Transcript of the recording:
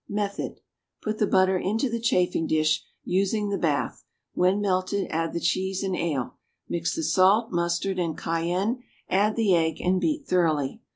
Method. Put the butter into the chafing dish (using the bath); when melted, add the cheese and ale. Mix the salt, mustard and cayenne, add the egg, and beat thoroughly.